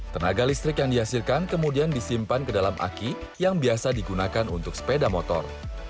tenaga listrik yang dihasilkan kemudian disimpan ke dalam aki yang biasa digunakan untuk sepeda motor